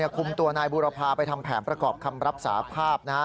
คุมตัวนายบูรพาไปทำแผนประกอบคำรับสาภาพนะฮะ